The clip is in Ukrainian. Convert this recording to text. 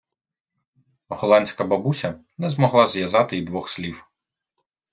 Голландська бабуся не змогла зв’язати й двох слів.